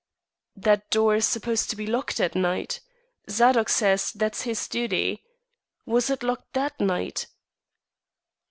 "That door is supposed to be locked at night. Zadok says that's his duty. Was it locked that night?"